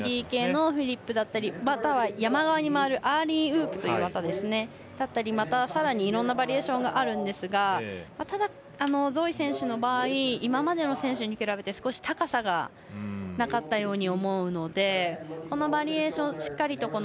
３Ｄ系のフリップだったりまたは山側に回るアーリーウープという技やまたさらにいろんなバリエーションがあるんですがただ、ゾイ選手の場合今までの選手に比べて高さがなかったように思うのでこのバリエーションしっかりと。